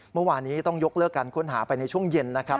เมื่อวานนี้ต้องยกเลิกการค้นหาไปในช่วงเย็นนะครับ